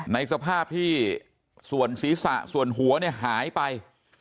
ในสภาพที่ส่วนศีรษะส่วนหัวเนี่ยหายไป